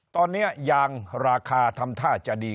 ตอนนี้ยางราคาทำท่าจะดี